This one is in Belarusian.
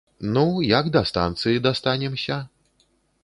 Ну, як да станцыі дастанемся?